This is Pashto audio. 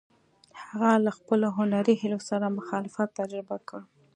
هغه له خپلو هنري هیلو سره مخالفت تجربه کړ.